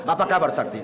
apa kabar sakti